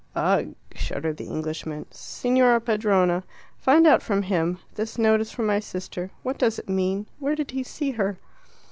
"Ugh!" shuddered the Englishman. "Signora padrona, find out from him; this note is from my sister. What does it mean? Where did he see her?"